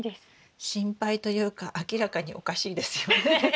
心配というか明らかにおかしいですよね。